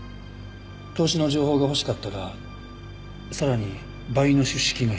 投資の情報が欲しかったらさらに倍の出資金が必要です。